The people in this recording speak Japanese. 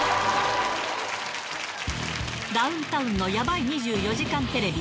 ダウンタウンのやばい２４時間テレビ。